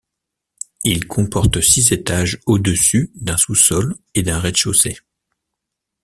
Il comporte six étages au-dessus d’un sous-sol et d’un rez-de-chaussée.